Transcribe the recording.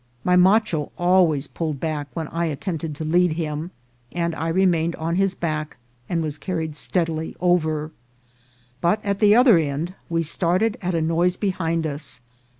My macho always pulled back when I attempted to lead him, and I remained on his back, and was carried steadily over ; but at the other end we started at a noise behind us.